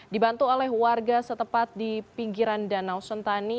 dibantu oleh warga setepat di pinggiran danau sentani